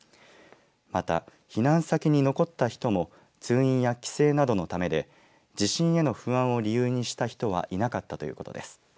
また、避難先に残った人も通院や帰省などのためで地震への不安を理由にした人はいなかったということです。